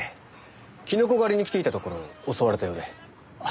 キノコ狩りに来ていたところ襲われたようで。